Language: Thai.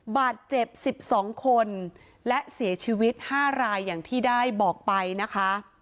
บาดเจ็บ๑๒คนและเสียชีวิต๕รายอย่างที่ได้บอกไปนะคะ